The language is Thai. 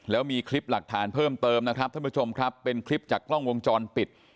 แล้วมีคลิปหลักฐานเพิ่มเติมนะครับท่านผู้ชมครับเป็นคลิปจากกล้องวงจรปิด